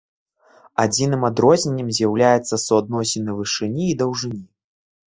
Адзіным адрозненнем з'яўляецца суадносіны вышыні і даўжыні.